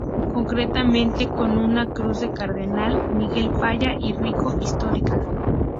Concretamente, con una cruz del cardenal Miguel Payá y Rico, histórica.